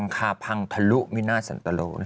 คาพังทะลุมินาศสันตโล